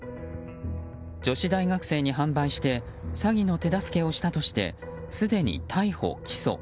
女子大学生に販売して詐欺の手助けをしたとしてすでに逮捕・起訴。